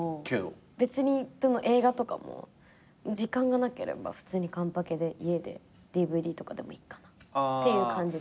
別に映画とかも時間がなければ完パケで家でＤＶＤとかでもいっかなっていう感じです。